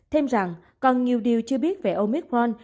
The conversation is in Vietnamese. thêm rằng còn nhiều điều chưa biết về omicron